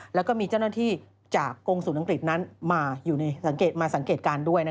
และมีเจ้าหน้าที่จากกรงสูตรอังกฤษมาสังเกตการณ์ด้วย